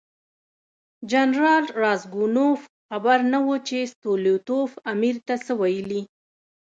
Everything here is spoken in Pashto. جنرال راسګونوف خبر نه و چې ستولیتوف امیر ته څه ویلي.